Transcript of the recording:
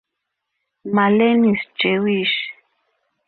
Marlens is Jewish.